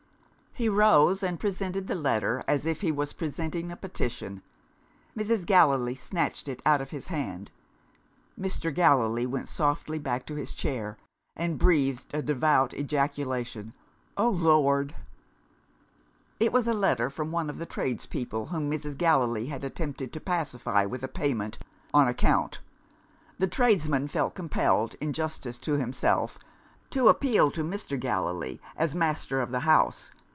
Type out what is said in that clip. He rose and presented the letter, as if he was presenting a petition. Mrs. Gallilee snatched it out of his hand. Mr. Gallilee went softly back to his chair, and breathed a devout ejaculation. "Oh, Lord!" It was a letter from one of the tradespeople, whom Mrs. Gallilee had attempted to pacify with a payment "on account." The tradesman felt compelled, in justice to himself, to appeal to Mr. Gallilee, as master of the house